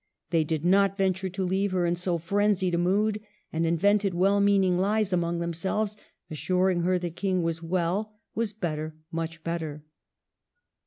They did not venture to leave her in so frenzied a mood, and invented well meaning lies among themselves, assuring her the King was well, was better, much better.